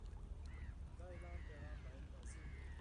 د اعلان پیغام باید واضح وي.